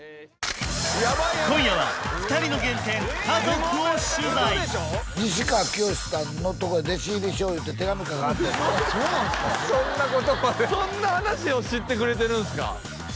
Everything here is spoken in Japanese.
今夜は２人の原点家族を取材西川きよしさんのとこへ弟子入りしよういうて手紙書かはってんそんなことまでそんな話を知ってくれてるんすか？